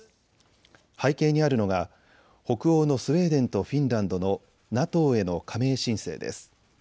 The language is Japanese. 背景にあるのが北欧のスウェーデンとフィンランドのＮＡＴＯへの加盟申請です。